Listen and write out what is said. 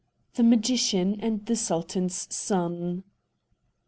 THE MAGICIAN AND THE SULTAN'S SON.